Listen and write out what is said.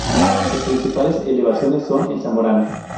Sus principales elevaciones son El Zamorano.